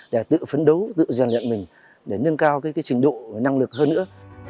để tự phấn đấu tự rèn luyện mình để nâng cao trình độ năng lực hơn nữa